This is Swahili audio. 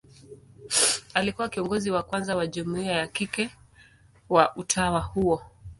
Alikuwa kiongozi wa kwanza wa jumuia ya kike wa utawa huo.